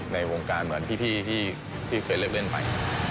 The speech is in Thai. ในวงการเหมือนพี่ที่เคยเลิกเล่นไป